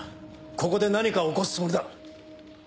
ここで何かを起こすつもりだ。